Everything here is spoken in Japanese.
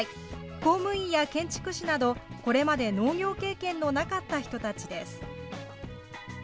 公務員や建築士など、これまで農業経験のなかった人たちです。